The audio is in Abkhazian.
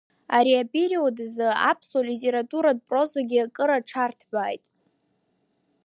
Ари апериод азы аԥсуа литературатә прозагьы акыр аҽарҭбааит.